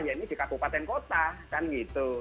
yaitu di kabupaten kota kan gitu